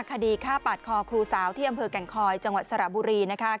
คดีฆ่าปาดคอครูสาวที่อำเภอแก่งคอยจังหวัดสระบุรี